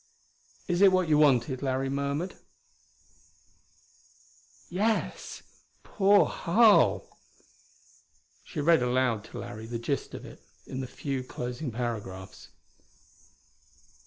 "Is it what you wanted?" Larry murmured. "Yes. Poor Harl!" She read aloud to Larry the gist of it in the few closing paragraphs.